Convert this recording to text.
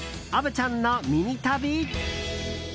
虻ちゃんのミニ旅。